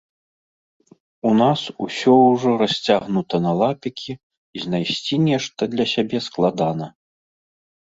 У нас усё ўжо расцягнута на лапікі і знайсці нешта для сябе складана.